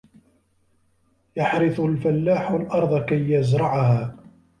يَحْرِثُ الفَلّاحُ الْأرْضَ كَيْ يَزْرَعَهَا.